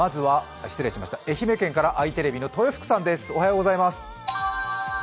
愛媛県からあいテレビの豊福さんです。